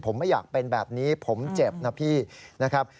ผมไม่อยากเป็นแบบนี้ผมเจ็บนะพี่นะครับ